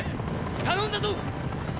頼んだぞ！